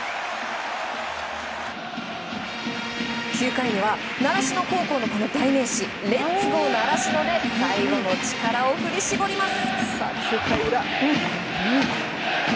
９回には習志野高校の代名詞「レッツゴー習志野」で最後の力を振り絞ります。